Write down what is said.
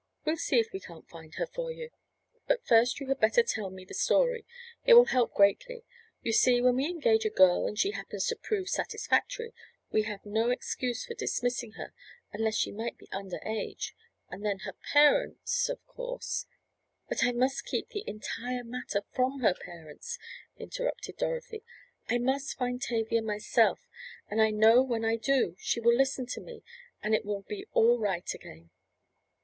We'll see if we can't find her for you. But first you had better tell me the story. It will help greatly. You see when we engage a girl and she happens to prove satisfactory we have no excuse for dismissing her unless she might be under age—and then her parents—of course—" "But I must keep the entire matter from her parents," interrupted Dorothy. "I must find Tavia myself and I know when I do she will listen to me and it will be all right again."